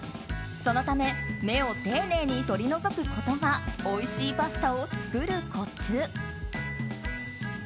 そのため芽を丁寧に取り除くことがおいしいパスタを作るコツ。